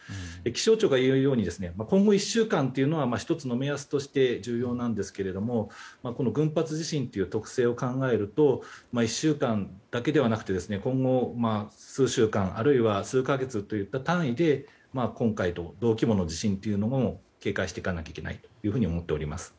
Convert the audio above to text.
気象庁がいうように今後１週間というのは１つの目安として重要なんですけれども群発地震という特性を考えると１週間だけではなくて今後、数週間あるいは数か月といった単位で今回と同規模の地震というのも警戒していかないといけないと思っております。